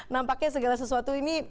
nampaknya segala sesuatu ini